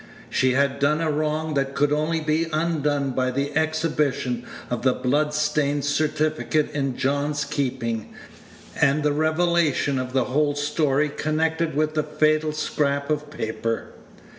She had done a wrong that could only be undone by the exhibition of the blood stained certificate in John's keeping, and the revelation of the whole story connected with that fatal scrap of paper.